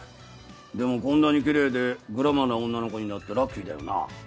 でもこんなに奇麗でグラマーな女の子になってラッキーだよな。